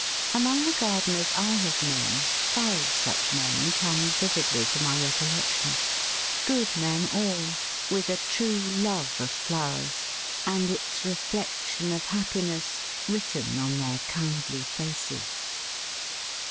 Among the gardeners I have known, five such men come vividly to my recollection good men all, with a true love of flowers, and its reflection of happiness written on their kindly faces.